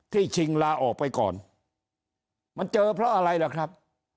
ชิงลาออกไปก่อนมันเจอเพราะอะไรล่ะครับ